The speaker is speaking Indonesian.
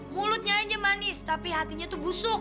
mulutnya aja manis tapi hatinya tuh busuk